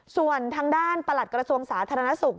ส่วนทางด้านประหลัดกระทรวงสาธารณสุข